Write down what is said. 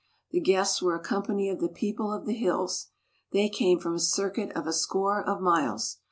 The guests were a company of the people of the hills. They came from a circuit of a score of miles.